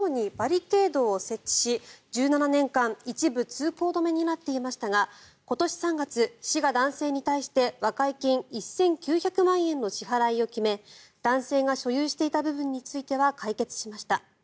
波崎シーサイド道路は土地所有者の男性がこのようにバリケードを設置し１７年間一部通行止めになっていましたが今年３月、市が男性に対して和解金１９００万円の支払いを決め男性が所有していた部分については解決しました。